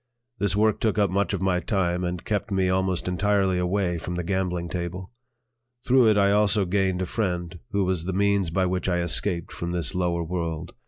This work took up much of my time and kept me almost entirely away from the gambling table. Through it I also gained a friend who was the means by which I escaped from this lower world.